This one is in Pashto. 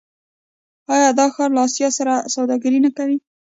آیا دا ښار له اسیا سره سوداګري نه کوي؟